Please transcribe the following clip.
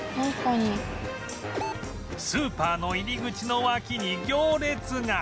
スーパーの入り口の脇に行列が！